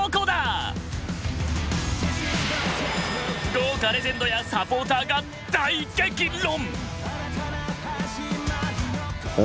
豪華レジェンドやサポーターが大激論！